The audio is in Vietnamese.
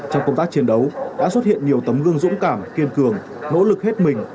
trong công tác chiến đấu đã xuất hiện nhiều tấm gương dũng cảm kiên cường nỗ lực hết mình